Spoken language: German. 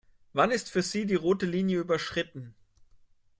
Wann ist für Sie die rote Linie überschritten?